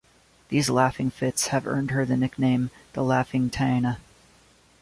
These laughing fits have earned her the nickname, The Laughing Taina.